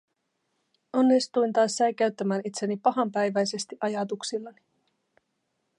Onnistuin taas säikäyttämään itseni pahanpäiväisesti ajatuksillani.